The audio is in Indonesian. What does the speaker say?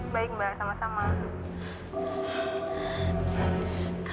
baik mbak sama sama